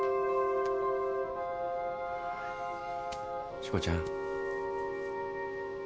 ・しこちゃん。